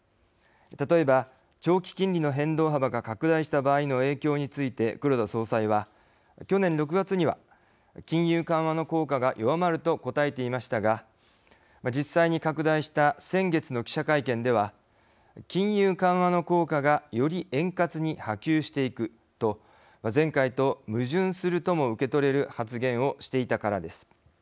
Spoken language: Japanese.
例えば、長期金利の変動幅が拡大した場合の影響について黒田総裁は、去年６月には金融緩和の効果が弱まると答えていましたが実際に拡大した先月の記者会見では金融緩和の効果がより円滑に波及していくと前回と矛盾するとも受け取れる発言をしていたからです。